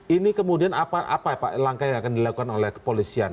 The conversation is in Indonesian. ini kemudian apa pak langkah yang akan dilakukan oleh kepolisian